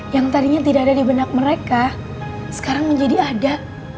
yang tadinya tidak ada di benak mereka sekarang menjadi ada